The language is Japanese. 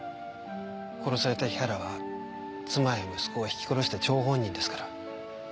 殺された日原は妻や息子をひき殺した張本人ですから。